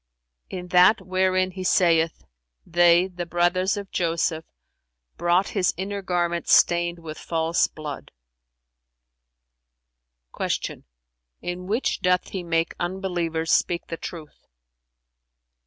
"[FN#357] "In that wherein He saith, 'They (the brothers of Joseph) brought his inner garment stained with false blood.'"[FN#358] Q "In which doth He make unbelievers speak the truth?"